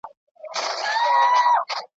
موږ خو هیڅ لیدلي نه دي هر څه ولیدل یزدان ,